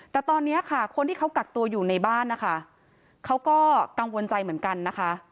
แต่ตอนนี้ค่ะคนที่เขากักตัวอยู่ในบ้านนะคะเขาก็กังวลใจเหมือนกันนะคะ